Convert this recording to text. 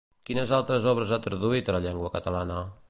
Quines altres obres ha traduït a la llengua catalana?